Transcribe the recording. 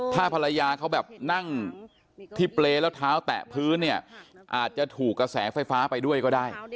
ถ้าภรรยาเขาแบบนั่งที่เปรย์แล้วเท้าแตะพื้นเนี่ยอาจจะถูกกระแสไฟฟ้าไปด้วยก็ได้